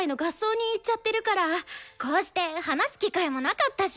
こうして話す機会もなかったし。